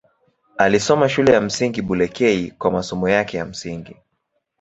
Alisoma Shule ya Msingi Bulekei kwa masomo yake ya msingi.